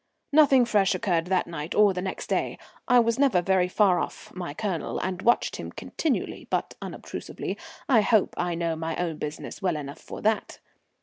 Nothing fresh occurred that night or the next day. I was never very far off my Colonel, and watched him continually but unobtrusively. I hope I know my business well enough for that.